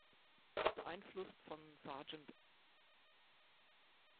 Beeinflusst von "Sgt.